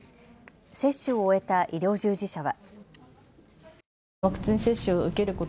接種を終えた医療従事者は。